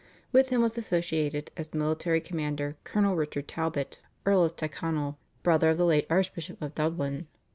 With him was associated as military commander Colonel Richard Talbot, Earl of Tyrconnell, brother of the late Archbishop of Dublin.